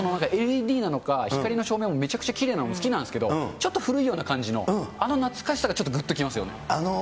今のＬＥＤなのか、光の照明もむちゃくちゃきれいで好きなんですけど、ちょっと古いような感じの、あの懐かしさがぐっと来ますよね。